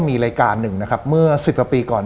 มีรายการหนึ่งนะครับเมื่อ๑๐กว่าปีก่อน